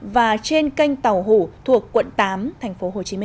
và trên kênh tàu hủ thuộc quận tám tp hcm